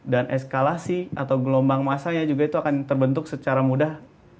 dan eskalasi atau gelombang masanya juga itu akan terbentuk secara mudah